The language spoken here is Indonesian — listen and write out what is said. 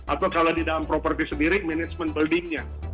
atau kalau di dalam properti sendiri management buildingnya